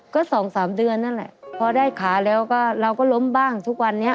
ก็๒๓เดือนนั่นแหละพอได้ขาแล้วก็เราก็ล้มบ้างทุกวันนี้